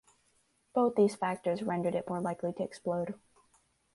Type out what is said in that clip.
Both these factors rendered it more likely to explode.